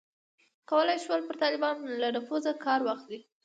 کولای یې شول پر طالبانو له نفوذه کار واخلي.